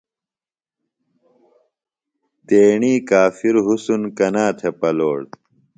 تیݨی کافِر حُسن کنا تھےۡ پلوڑ۔